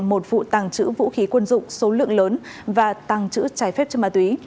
một vụ tàng trữ vũ khí quân dụng số lượng lớn và tàng trữ trái phép cho ma túy